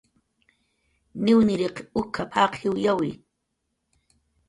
"Niwniriq uk""ap"" jaq jiwyawi "